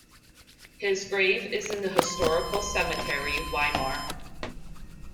His grave is in the Historical Cemetery, Weimar.